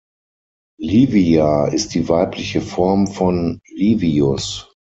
Livia ist die weibliche Form von Livius.